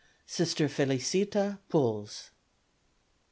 Sister Felicita Puls.